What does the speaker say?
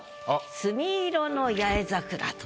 墨色の八重桜」と。